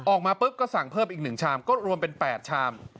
ออกมาปุ๊บก็สั่งเพิ่มอีก๑ชามก็รวมเป็น๘ชาม